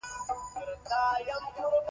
څو ځلې یې زما خواته وکتل.